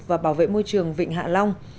và bảo vệ môi trường vịnh hạ long